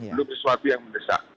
belum sesuatu yang mendesak